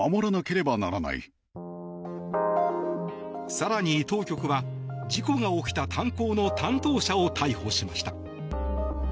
更に当局は事故が起きた炭鉱の担当者を逮捕しました。